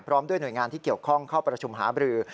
ด้วยหน่วยงานที่เกี่ยวข้องเข้าประชุมหาบรือ